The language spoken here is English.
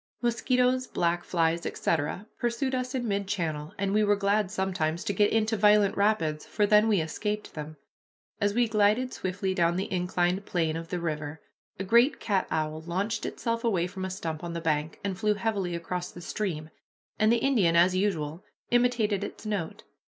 Mosquitoes, black flies, etc., pursued us in mid channel, and we were glad sometimes to get into violent rapids, for then we escaped them. As we glided swiftly down the inclined plane of the river, a great cat owl launched itself away from a stump on the bank, and flew heavily across the stream, and the Indian, as usual, imitated its note.